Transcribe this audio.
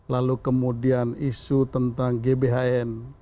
lalu kemudian isu tentang gbhn